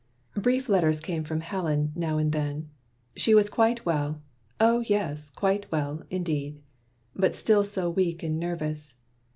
Brief letters came from Helen, now and then: She was quite well oh, yes! quite well, indeed! But still so weak and nervous.